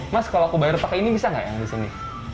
mas kalau aku bayar pakai ini bisa nggak yang di sini